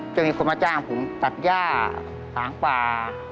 จะมีคนมาจ้างผมตัดย่าหางป่า